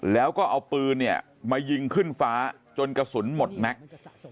แล้วก็เอาปืนเนี่ยมายิงขึ้นฟ้าจนกระสุนหมดแม็กซ์